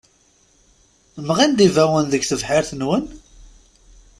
Mɣin-d ibawen deg tebḥirt-nwen?